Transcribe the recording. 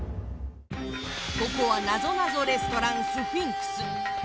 ここはなぞなぞレストランスフィンクス。